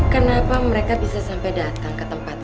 kenapa mereka bisa sampai datang ke tempat